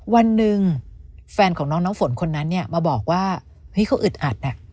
วันหนึ่งแฟนของน้องน้ำฝนคนนั้นเนี่ยมาบอกว่าเฮ้ยเขาอึดอัด